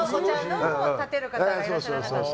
たてる方がいらっしゃらなかった。